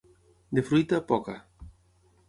De fruita, poca.